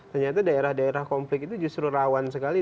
ternyata daerah daerah konflik itu justru rawan sekali